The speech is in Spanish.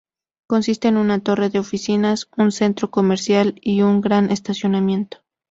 Consiste en una torre de oficinas, un centro comercial y un gran estacionamiento.